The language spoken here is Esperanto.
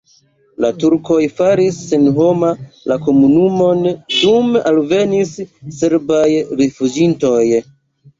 La turkoj faris senhoma la komunumon, dume alvenis serbaj rifuĝintoj.